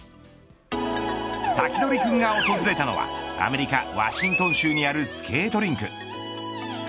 サキドリくんが訪れたのはアメリカ、ワシントン州にあるスケートリンク。